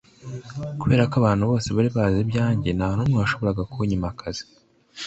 Kubera ko abantu bose bari bazi ibyanjye nta n’umwe washoboraga kunyima akazi